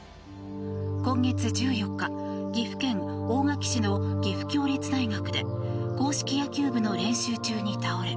今月１４日、岐阜県大垣市の岐阜協立大学で硬式野球部の練習中に倒れ